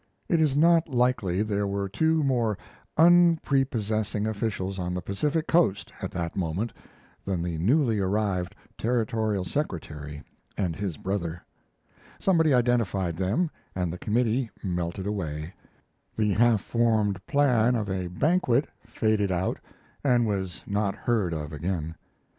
It is not likely there were two more unprepossessing officials on the Pacific coast at that moment than the newly arrived Territorial secretary and his brother: Somebody identified them, and the committee melted away; the half formed plan of a banquet faded out and was not heard of again.